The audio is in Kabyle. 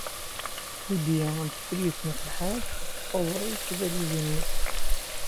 Lidya n Tifrit n At Lḥaǧ ad tessaẓey tibalizin-nnes.